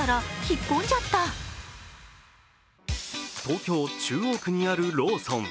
東京・中央区にあるローソン。